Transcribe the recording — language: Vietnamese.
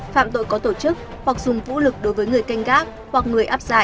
phạm tội có tổ chức hoặc dùng vũ lực đối với người canh gác hoặc người áp giả